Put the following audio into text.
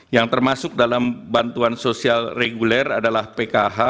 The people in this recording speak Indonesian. yang termasuk dalam bantuan sosial reguler adalah pkh